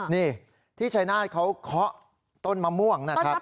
นี่ที่ชายนาฏเขาเคาะต้นมะม่วงนะครับ